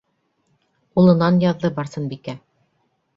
Улынан яҙҙы Барсынбикә.